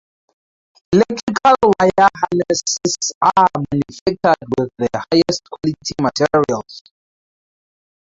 Electrical wire harnesses are manufactured with the highest quality materials.